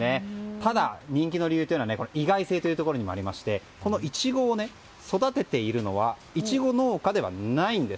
ただ、人気の理由というのは意外性というところにもあってイチゴを育てているのはイチゴ農家ではないんです。